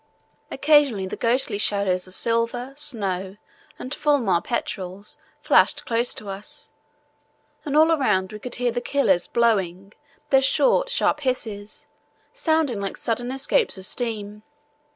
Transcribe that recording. Occasionally the ghostly shadows of silver, snow, and fulmar petrels flashed close to us, and all around we could hear the killers blowing, their short, sharp hisses sounding like sudden escapes of steam.